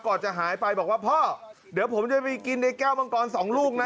ก่อนจะหายไปบอกว่าพ่อเดี๋ยวผมจะไปกินไอ้แก้วมังกรสองลูกนะ